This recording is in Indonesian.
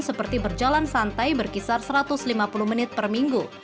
seperti berjalan santai berkisar satu ratus lima puluh menit per minggu